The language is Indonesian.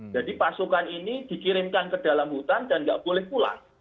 pasokan ini dikirimkan ke dalam hutan dan nggak boleh pulang